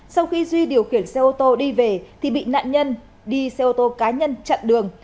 sau khi duy điều khiển xe ô tô đi về thì bị nạn nhân đi xe ô tô cá nhân chặn đường